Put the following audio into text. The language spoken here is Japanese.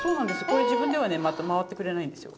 これ自分ではね回ってくれないんですよ。